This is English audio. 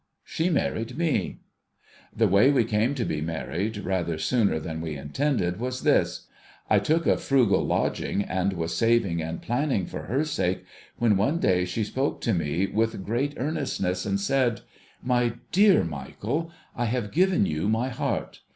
She married me. The way we came to be married rather sooner than wc intended, was this. I took a frugal lodging and was saving and planning for her sake, when, one day, she spoke to me with great earnestness, and said :' My dear Michael, I have given you my heart.